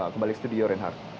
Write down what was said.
kembali ke studio renhar